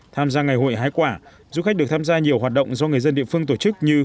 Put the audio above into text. tham gia ngày hội hái quả du khách được tham gia nhiều hoạt động do người dân địa phương tổ chức như